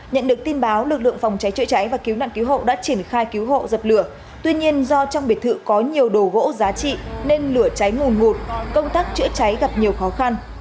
nhận được tin báo lực lượng phòng cháy chữa cháy và cứu nạn cứu hộ đã triển khai cứu hộ dập lửa tuy nhiên do trong biệt thự có nhiều đồ gỗ giá trị nên lửa cháy ngùm ngụt công tác chữa cháy gặp nhiều khó khăn